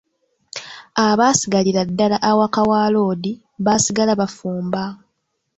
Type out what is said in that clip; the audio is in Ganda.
Abaasigalira ddala awaka wa loodi baasigala bafumba.